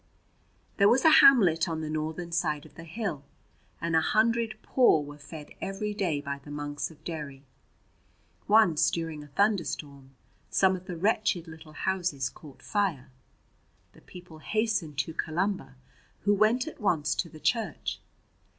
There was a hamlet on the northern side of the hill, and a hundred poor were fed every day by the monks of Derry. Once during a thunderstorm some of the wretched little houses caught tire. The people hastened to Columba, who went at once to the church.